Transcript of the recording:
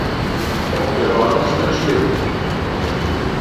Der Wagen ist ein Schläfer.